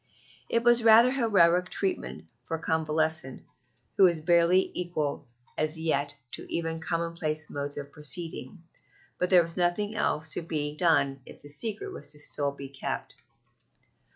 It was rather heroic treatment for a convalescent, who was barely equal as yet to even commonplace modes of proceeding, but there was nothing else to be done if the secret was still to be kept.